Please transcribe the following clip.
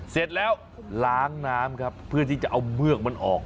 เสร็จแล้วล้างน้ำครับเพื่อที่จะเอาเมือกมันออก